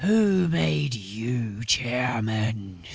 "Who made you chairman?"